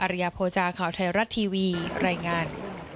ริยโภจาข่าวไทยรัฐทีวีรายงาน